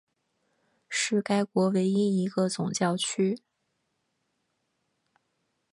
是该国唯一一个总教区。